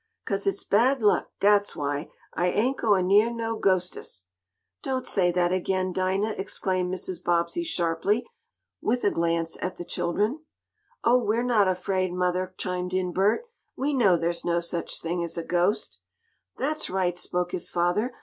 "'Cause it's bad luck, dat's why. I ain't goin' neah no ghostest " "Don't say that again, Dinah!" exclaimed Mrs. Bobbsey sharply, with a glance at the children. "Oh, we're not afraid, mother!" chimed in Bert. "We know there's no such thing as a ghost." "That's right," spoke his father.